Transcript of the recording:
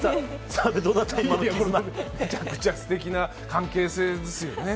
めちゃくちゃステキな関係性ですよね。